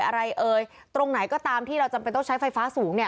อะไรเอ๊ยตรงไหนก็ตามที่เราจะต้องใช้ไฟฟ้าสูงเนี่ย